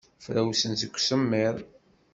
Frawsen seg usemmiḍ.